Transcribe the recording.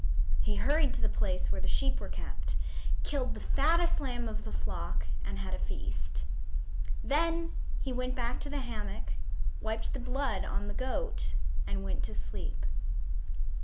He hurried to the place where the sheep were kept, killed the fattest lamb of the flock, and had a feast. Then he went back to the hammock, wiped the blood on the goat, and went to sleep.